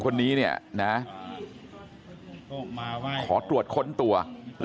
สวัสดีครับคุณผู้ชาย